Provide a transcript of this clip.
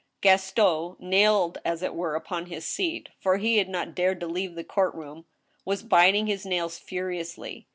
Gaston, nailed as it were upon his seat, for he had not dared to leave, the court room, was biting his nails furiously.